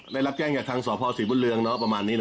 อ๋อได้รับแก้งกับทางสฟุตเรืองน้องประมาณนี้หรอ